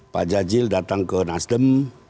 pak jajil datang ke nasdem